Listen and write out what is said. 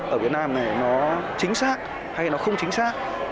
ở việt nam này nó chính xác hay nó không chính xác